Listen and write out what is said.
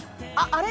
あれ。